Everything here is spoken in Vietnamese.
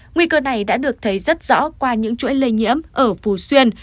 nguy cơ này đã được thấy rất rõ qua những chuỗi lây nhiễm ở phú xuyên